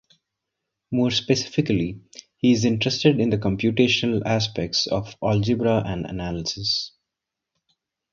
More specifically, he is interested in the computational aspects of algebra and analysis.